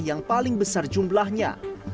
yang paling besar jumlahnya